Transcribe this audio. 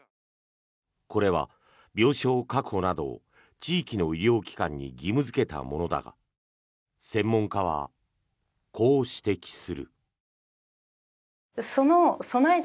これは病床確保など地域の医療機関に義務付けたものだがピックアップＮＥＷＳ